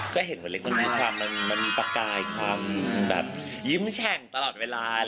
ก็เห็นเหมือนเล็กคนที่ความมันมีประกายความยิ้มแช่งตลอดเวลา